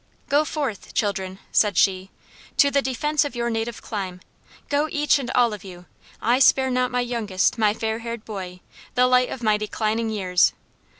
"Go forth, children," said she, "to the defence of your native clime. Go, each and all of you; I spare not my youngest, my fair haired boy, the light of my declining years.